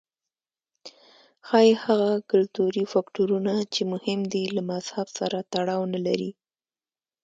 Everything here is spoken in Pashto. ښايي هغه کلتوري فکټورونه چې مهم دي له مذهب سره تړاو نه لري.